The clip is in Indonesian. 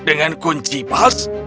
dengan kunci pas